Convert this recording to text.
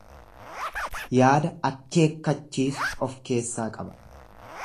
Yaada akkeekkachiisu of keessaa qaba.